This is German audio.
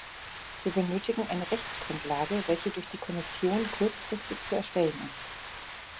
Wir benötigen eine Rechtsgrundlage, welche durch die Kommission kurzfristig zu erstellen ist.